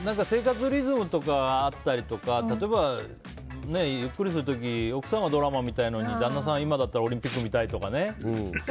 生活リズムとかあったりとか例えば、ゆっくりする時奥さんはドラマ見たいのに旦那さんは今だったらオリンピック見たいとかね。